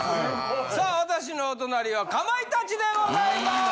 さあ私のお隣はかまいたちでございます。